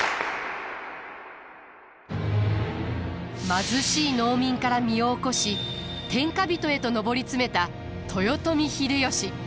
貧しい農民から身を起こし天下人へと上り詰めた豊臣秀吉。